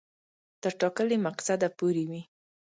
تر ټاکلي مقصده پوري وي.